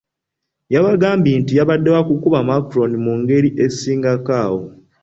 Yagambye nti yabadde wa kukuba Macron mu ngeri esingako awo.